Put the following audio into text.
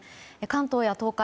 関東や東海